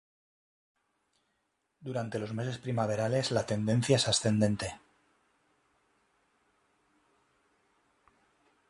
Durante los meses primaverales la tendencia es ascendente.